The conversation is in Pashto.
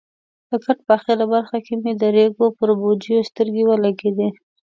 د کټ په اخره برخه کې مې د ریګو پر بوجیو سترګې ولګېدې.